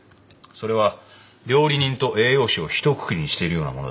それは料理人と栄養士をひとくくりにしているようなものだ。